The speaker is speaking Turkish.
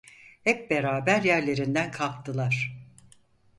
Hep beraber yerlerinden kalktılar.